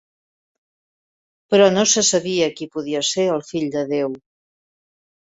Però no se sabia qui podia ser el fill del déu.